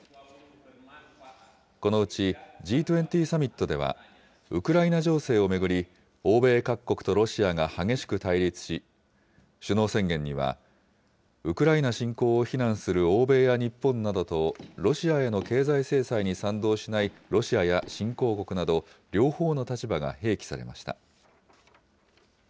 このうち、Ｇ２０サミットでは、ウクライナ情勢を巡り、欧米各国とロシアが激しく対立し、首脳宣言には、ウクライナ侵攻を非難する欧米や日本などと、ロシアへの経済制裁に賛同しないロシアや新興国など、両方の立場が併記されました。